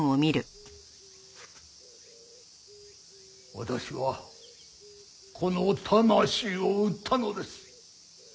私はこの魂を売ったのです。